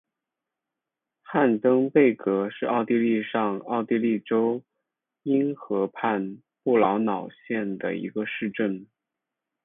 汉登贝格是奥地利上奥地利州因河畔布劳瑙县的一个市镇。